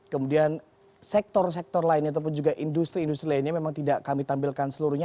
kemudian sektor sektor lainnya ataupun juga industri industri lainnya memang tidak kami tampilkan seluruhnya